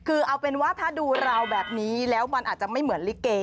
คือเอาเป็นว่าถ้าดูเราแบบนี้แล้วมันอาจจะไม่เหมือนลิเก